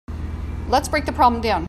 Let's break the problem down.